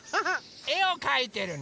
えをかいてるの？